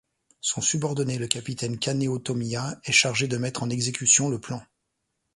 Son subordonné le capitaine Kaneo Tomiya est chargé de mettre en exécution le plan.